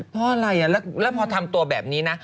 เพราะอะไรแล้วพอทำตัวแบบนี้นะ